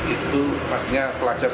itu maksudnya pelajar